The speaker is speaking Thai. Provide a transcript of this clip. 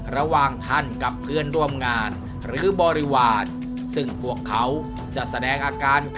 ระหว่างท่านกับเพื่อนร่วมงานหรือบริวาร